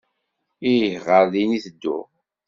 Ih, ɣer din i tedduɣ.